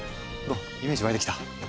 イメージわいてきた？